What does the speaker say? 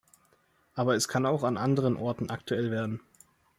Aber es kann auch an anderen Orten aktuell werden.